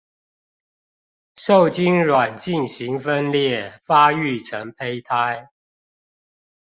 受精卵進行分裂發育成胚胎